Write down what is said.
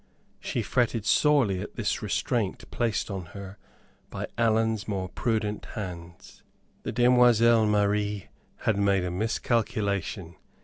She fretted sorely at this restraint placed upon her by Allan's more prudent hands. The demoiselle Marie had made a miscalculation.